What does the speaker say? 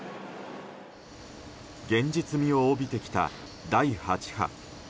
現実味を帯びてきた、第８波。